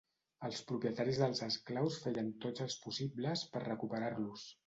Els propietaris dels esclaus feien tots els possibles per recuperar-los.